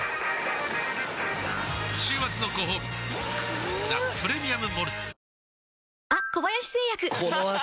週末のごほうび「ザ・プレミアム・モルツ」